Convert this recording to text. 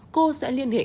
cô sẽ liên hệ